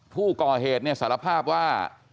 ผู้ก่อเหตุเนี่ยสารภาพว่า